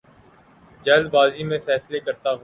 جلد بازی میں فیصلے کرتا ہوں